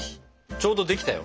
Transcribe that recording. ちょうどできたよ。